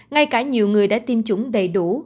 ngay cả nhiều người đã tiêm chủng đầy đủ